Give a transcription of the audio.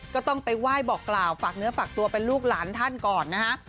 ก็ต้องไปไหว้บอกกล่าวฝากเนื้อฝากตัวเป็นลูกหลานท่านก่อนนะฮะ